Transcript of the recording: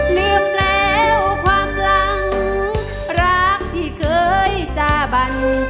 ลืมแล้วความหลังรักที่เคยจาบัน